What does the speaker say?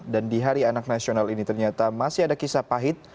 dan di hari anak nasional ini ternyata masih ada kisah pahit